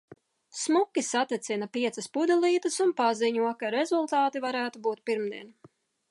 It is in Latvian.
Smuki satecina piecas pudelītes un paziņo, ka rezultāti varētu būt pirmdien.